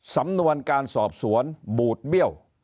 สำนวนการสอบสวนบูดเบี้ยว